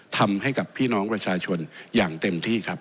ทำให้กับพี่น้องประชาชนอย่างเต็มที่ครับ